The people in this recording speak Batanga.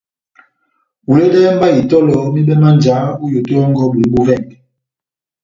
Huledɛhɛ mba itɔlɔ mibɛ má njáhá ó yoto yɔ́ngɔ bulu bó vɛngɛ.